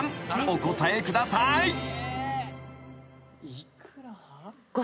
お答えください］幾ら？